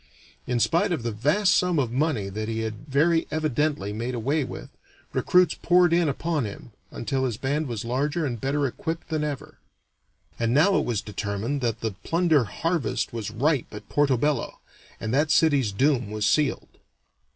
In spite of the vast sum of money that he had very evidently made away with, recruits poured in upon him, until his band was larger and better equipped than ever. And now it was determined that the plunder harvest was ripe at Porto Bello, and that city's doom was sealed.